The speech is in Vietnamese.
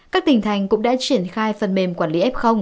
các tỉnh thành cũng đã triển khai phần mềm quản lý f